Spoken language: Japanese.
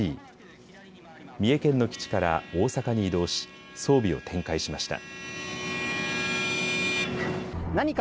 三重県の基地から大阪に移動し装備を展開しました。